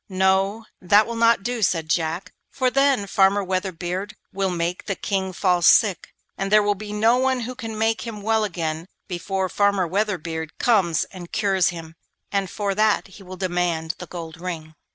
'No, that will not do,' said Jack, 'for then Farmer Weatherbeard will make the King fall sick, and there will be no one who can make him well again before Farmer Weatherbeard comes and cures him, and for that he will demand the gold ring.